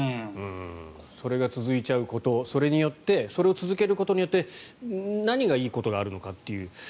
それが続いちゃうことそれによってそれを続けることによって何がいいことがあるのかという。